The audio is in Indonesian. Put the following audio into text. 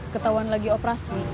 ketauan lagi operasi